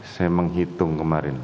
saya menghitung kemarin